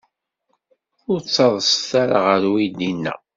Ur ttadset ara ɣer uydi-inna.